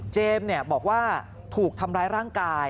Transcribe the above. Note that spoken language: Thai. บอกว่าถูกทำร้ายร่างกาย